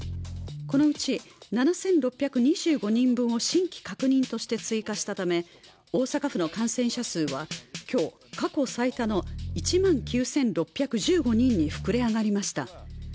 このうち７６２５人分を新規確認として追加したため、大阪府の感染者数は今日、過去最多の１万９６１５人に膨れ上がりました。